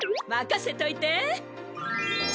まかせといて！